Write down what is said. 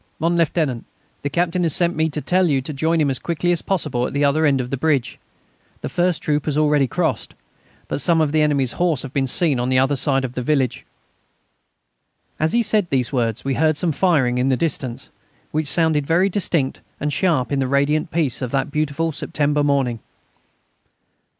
"Mon Lieutenant, the Captain has sent me to tell you to join him as quickly as possible at the other end of the bridge. The first troop has already crossed, but some of the enemy's horse have been seen on the other side of the village." As he said these words we heard some firing in the distance, which sounded very distinct and sharp in the radiant peace of that beautiful September morning.